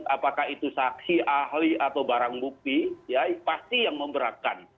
apakah itu saksi ahli atau barang bukti ya pasti yang memberatkan